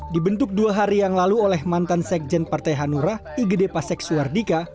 dibentuk dua hari yang lalu oleh mantan sekjen partai hanura igd pasek suardika